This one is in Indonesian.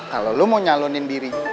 kalo lu mau nyalonin diri